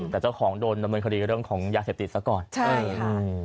แต่เจ้าของโดนดำเนินคดีเรื่องของยาเสพติดซะก่อนใช่